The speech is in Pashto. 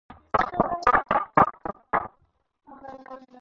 هایټي او نیپال هم په دې نوملړ کې راځي.